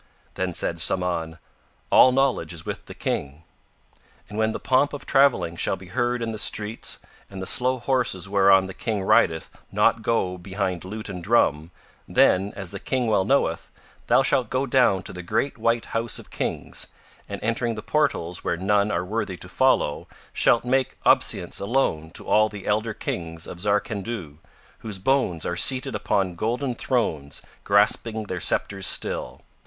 Then said Samahn: "All knowledge is with the King," and when the pomp of travelling shall be heard in the streets and the slow horses whereon the King rideth not go behind lute and drum, then, as the King well knoweth, thou shalt go down to the great white house of Kings and, entering the portals where none are worthy to follow, shalt make obeisance alone to all the elder Kings of Zarkandhu, whose bones are seated upon golden thrones grasping their sceptres still.